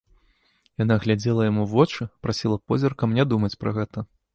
Яна глядзела яму ў вочы, прасіла позіркам не думаць пра гэта.